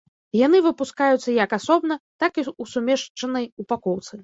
Яны выпускаюцца як асобна, так і ў сумешчанай упакоўцы.